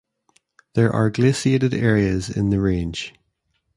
There are glaciated areas in the range.